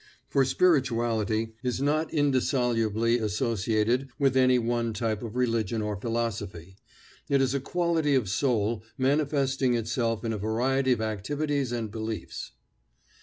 For spirituality is not indissolubly associated with any one type of religion or philosophy; it is a quality of soul manifesting itself in a variety of activities and beliefs.